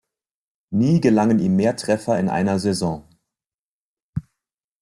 Nie gelangen ihm mehr Treffer in einer Saison.